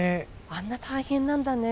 あんな大変なんだね。